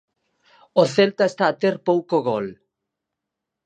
O Celta está a ter pouco gol.